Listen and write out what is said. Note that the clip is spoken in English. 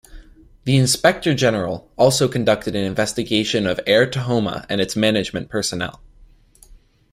The Inspector General also conducted an investigation of Air Tahoma and its management personnel.